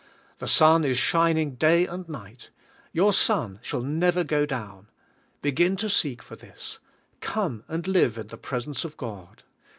The sun is shining day and night. Your sun shall never go down. Be gin to seek for this. Come and live in the pres ence of God.